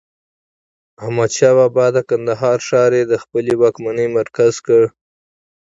احمدشاه بابا د کندهار ښار يي د خپلې واکمنۍ مرکز کړ.